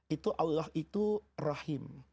itu allah itu rahim